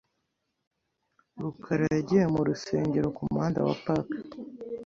rukara yagiye mu rusengero kumuhanda wa Park .